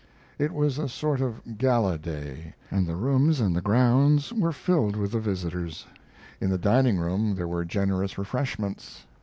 It was a sort of gala day, and the rooms and the grounds were filled with the visitors. In the dining room there were generous refreshments.